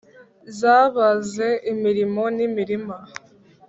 Zabaze imirimo n’imirima,